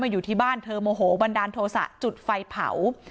อยู่ที่บ้านเธอโมโหบันดาลโทษะจุดไฟเผา